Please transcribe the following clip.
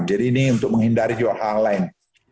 jadi ini untuk menghindari juga hal lain